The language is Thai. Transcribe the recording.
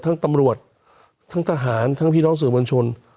ตำรวจทั้งทหารทั้งพี่น้องสื่อมวลชน